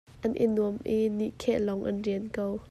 An i nuam i nihkheh lawng an rian ko.